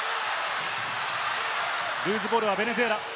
ルーズボールはベネズエラ。